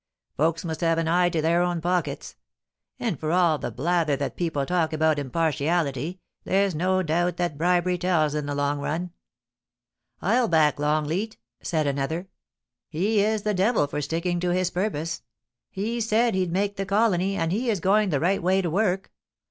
Folks must have an eye to their own pockets ; and for all the blather that people talk about impartiality, there's no doubt that bribery tells in the long run.' * ril back Longleat,' said another. * He is the devil for A T BRA YSHEJi'S INN. 5 sticking to his purpose. He said he'd make the colony, and he is going the right way to work.